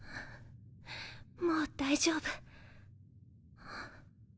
もう大丈夫。